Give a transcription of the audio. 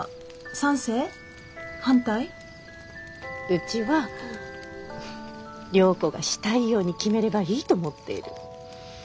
うちは良子がしたいように決めればいいと思っている。